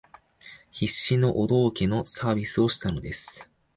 必死のお道化のサービスをしたのです